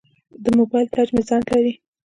د موبایل ټچ مې ځنډ لري.